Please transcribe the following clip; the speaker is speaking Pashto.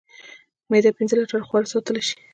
معده پنځه لیټره خواړه ساتلی شي.